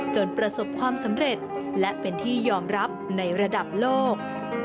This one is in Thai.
ประสบความสำเร็จและเป็นที่ยอมรับในระดับโลก